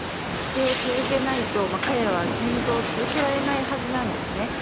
否定を続けないと彼らは戦闘を続けられないはずなんですね。